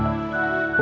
aku ingin mencobanya